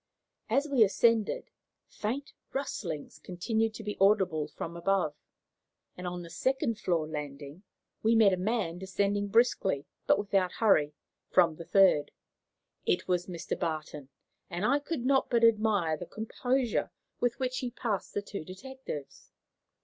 As we ascended, faint rustlings continued to be audible from above, and on the second floor landing we met a man descending briskly, but without hurry, from the third. It was Mr. Barton, and I could not but admire the composure with which he passed the two detectives.